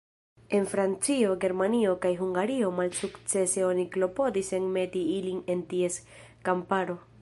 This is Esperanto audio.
En Francio, Germanio, kaj Hungario malsukcese oni klopodis enmeti ilin en ties kamparo.